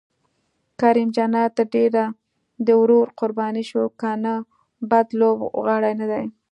کریم جنت تر ډېره د ورور قرباني شو، که نه بد لوبغاړی نه دی.